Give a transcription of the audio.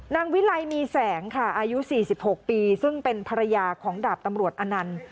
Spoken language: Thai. นางวิลัยมีแสงค่ะอายุสี่สิบหกปีซึ่งเป็นภรรยาของดาบตำรวจอนันทร์